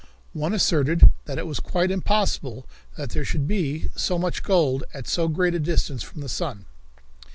One asserted that it was quite impossible that there should be so much gold at so great a distance from the sun.